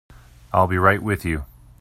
I'll be right with you.